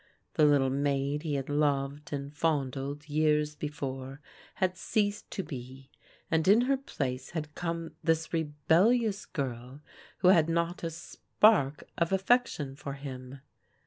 The little maid he had loved and fondled years before had ceased to be, and in her place had come this re bellious girl who had not a spark of affection for him.